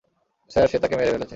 Sir, সে তাকে মেরে ফেলেছে!